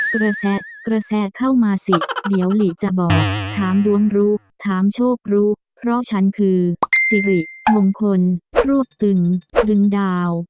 กระแสกระแสเข้ามาสิเดี๋ยวหลีจะบอกถามดวงรู้ถามโชครู้เพราะฉันคือสิริมงคลรวบตึงตึงดาว